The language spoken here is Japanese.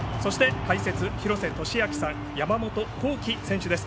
解説は廣瀬俊朗さん山本幸輝さんです。